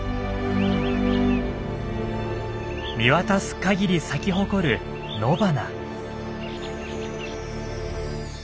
見渡すかぎり咲き誇る野花。